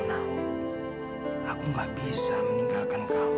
aku gak bisa meninggalkan kamu